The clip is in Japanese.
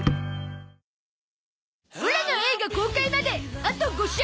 オラの映画公開まであと５週！